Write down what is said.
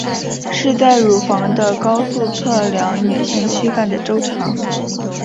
是在乳房的高度测量女性躯干的周长。